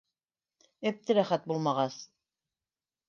Әптеләхәт булмағас...